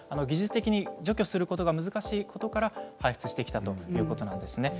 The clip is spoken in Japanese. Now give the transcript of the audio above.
技術的に除去することは難しいことから放出してきたということなんです。